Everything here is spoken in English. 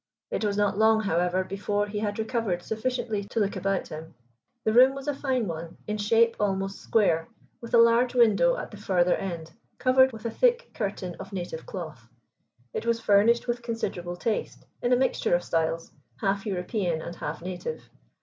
It was not long, however, before he had recovered sufficiently to look about him. The room was a fine one, in shape almost square, with a large window at the further end covered with a thick curtain of native cloth. It was furnished with considerable taste, in a mixture of styles, half European and half native.